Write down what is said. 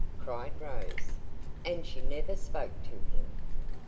cried Rose. "And she never spoke to him!"